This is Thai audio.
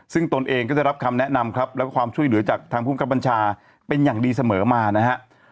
ซึ่งตนเองก็จะรับคำแนะนำครับแล้วก็ความช่วยเหลือจากทางภูมิกับบัญชาเป็นอย่างดีเสมอมานะฮะ